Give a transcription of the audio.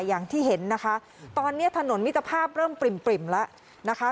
อย่างที่เห็นนะคะตอนนี้ถนนมิตรภาพเริ่มปริ่มแล้วนะคะ